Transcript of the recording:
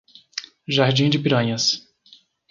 Jardim de Piranhas